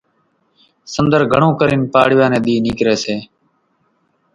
سنۮر گھڻون ڪرين پاڙِويا ني ۮي نيڪري سي